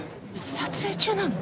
撮影中なの？